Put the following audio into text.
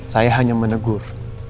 saya hanya menegur